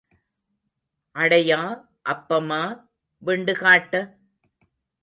அடையா, அப்பமா, விண்டு காட்ட?